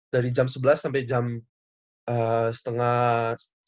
dari jam sebelas sampai jam setengah